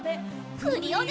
クリオネ！